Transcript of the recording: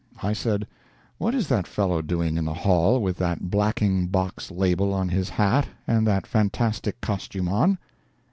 I said: "What is that fellow doing in the hall with that blacking box label on his hat and that fantastic costume on?"